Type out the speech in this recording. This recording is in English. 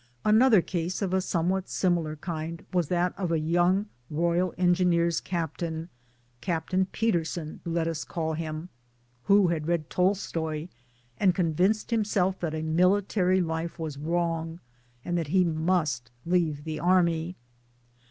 Another case of a somewhat similar kind was that of a young R.E. captain, Captain Peterson, let us call him, who had read Tolstoy and convinced himself that a military life was wrong, and that he must leave the Army.